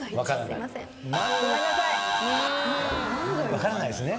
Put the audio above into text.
分からないですね。